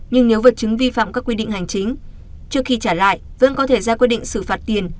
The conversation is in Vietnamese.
nhưng nếu vật chứng vi phạm các quy định hành chính trước khi trả lại vẫn có thể ra quyết định xử phạt tiền